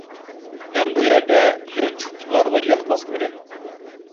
مەن بۇ يەردە يانچۇقچىلارغا يان باسمىدىم.